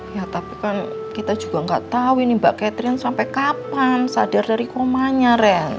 ya tapi kan kita juga nggak tahu ini mbak catherine sampai kapan sadar dari komanya ren